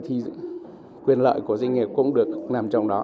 thì quyền lợi của doanh nghiệp cũng được nằm trong đó